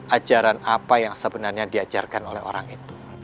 ajaran apa yang sebenarnya diajarkan oleh orang itu